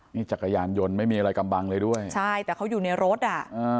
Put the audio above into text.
นี่จักรยานยนต์ไม่มีอะไรกำบังเลยด้วยใช่แต่เขาอยู่ในรถอ่ะอ่า